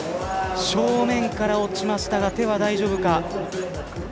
正面から落ちましたが手は大丈夫か。